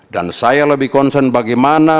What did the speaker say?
dan saya lebih concern bagaimana